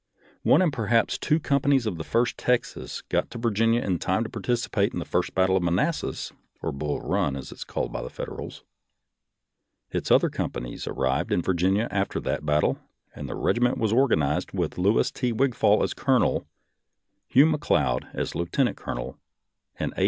One and perhaps two com panies of the First Texas got to Virginia in time to participate in the first battle of Manassas, or Bull Run, as it is called by the Federals. Its other companies arrived in Virginia after that battle, and the regiment was organized with Louis T. Wigfall as colonel, Hugh McLeod as lieutenant colonel, and A.